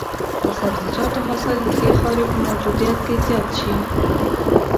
د سبزیجاتو حاصل د ښه خاورې په موجودیت کې زیات شي.